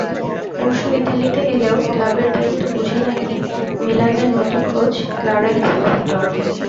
পরশু ইতালিতে এলেও ক্লাবের দায়িত্ব বুঝে নেননি মিলানের নতুন কোচ ক্লারেন্স সিডর্ফ।